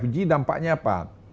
lima g dampaknya apa